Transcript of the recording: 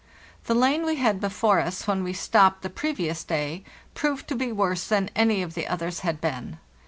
The lane we had before us when we stopped the previous day proved to be worse than any of the others had been.